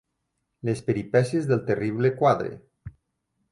Les peripècies del terrible quadre